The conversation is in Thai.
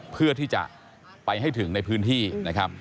เพื่อที่จะไปให้ถึงในพื้นที่นะครับ